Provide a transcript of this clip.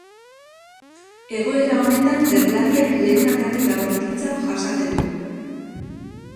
Egoera honetan gerlariak lehen aldaketa bortitza jasaten du.